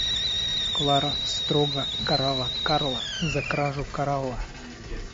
Клара строго карала Карла за кражу коралла.